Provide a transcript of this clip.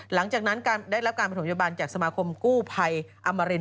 หลังจากนั้นได้รับการประถมพยาบาลจากสมาคมกู้ภัยอมริน